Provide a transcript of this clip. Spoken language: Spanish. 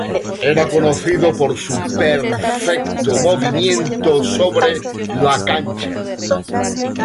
Era conocido por su perfecto movimiento sobre la cancha.